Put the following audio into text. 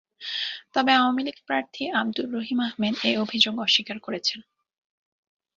তবে আওয়ামী লীগ প্রার্থী আবদুর রহিম আহমেদ এ অভিযোগ অস্বীকার করেছেন।